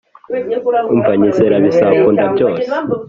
Umva nyizera bizakunda byose